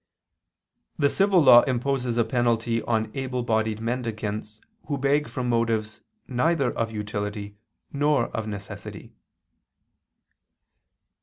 The civil law imposes a penalty on able bodied mendicants who beg from motives neither of utility nor of necessity.